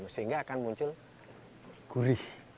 sehingga akan muncul gurih